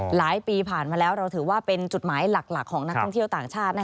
หลายปีผ่านมาแล้วเราถือว่าเป็นจุดหมายหลักของนักท่องเที่ยวต่างชาติ